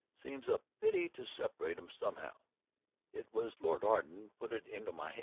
Seems a pity to separate 'em somehow. It was Lord Arden put it into my 'ed.